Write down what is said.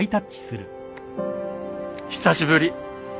久しぶり。